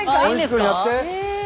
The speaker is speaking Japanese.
大西君やって！